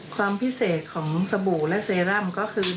ความพิเศษของสบู่และเซรั่มก็คือ